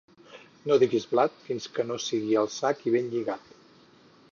No diguis blat fins que no sigui al sac i ben lligat.